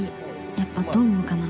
やっぱどう思うかな。